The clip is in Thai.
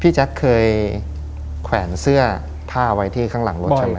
พี่แจ็คเคยแขวนเสื้อภาวะไว่ที่ข้างหลังโรงไลน์ใช่ไหม